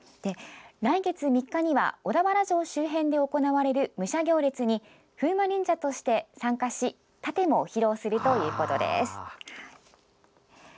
来月３日には、小田原城周辺で行われる武者行列に風魔忍者として参加し殺陣も披露するということです。